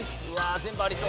全部ありそう。